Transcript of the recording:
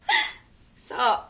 そう。